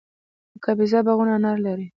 د کاپیسا باغونه انار لري.